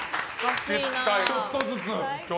ちょっとずつ。